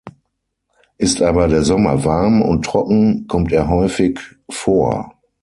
Ist aber der Sommer warm und trocken kommt er häufig vor.